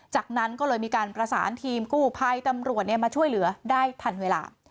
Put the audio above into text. จากนั้นก็เลยมีการประสานทีมกู้ภัยตำรวจมาช่วยเหลือได้ทันเวลา